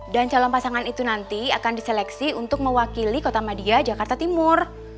dan calon pasangan itu nanti akan diseleksi untuk mewakili kota madia jakarta timur